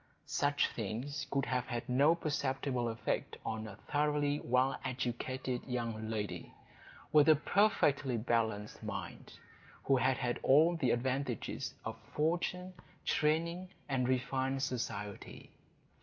Such things could have had no perceptible effect on a thoroughly well educated young lady, with a perfectly balanced mind, who had had all the advantages of fortune, training, and refined society.